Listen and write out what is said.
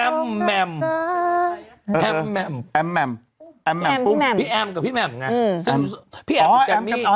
แอมแมมแอมแมมแอมแมมแอมแมมพี่แอมกับพี่แมมอืมซึ่งพี่แอมกับอ๋อแอมกับอ๋อ